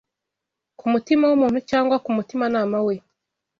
ku mutima w’umuntu cyangwa ku mutimanama we